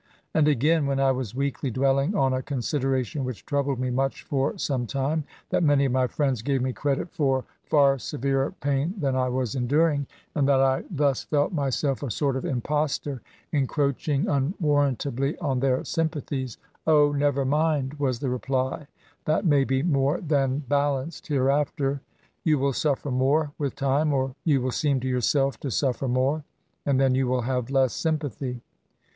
And again — ^when I was weakly dwelling on a consideration which troubled me much for some time, that many of my friends gave me credit for far severer pain than I was enduring, and that I 16 nSBAYB. jthus felt myaelf a sort of impostor^ encroaching imwarrantably on their sympathies^ " O ! never mind !^' was the reply. ^^ That may be more Aaa balanced hereafter. Tou will suffer more, with time — or you will seem to yourself to suffer more; and then you will have less sympathy.